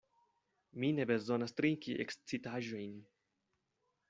Mi ne bezonas trinki ekscitaĵojn.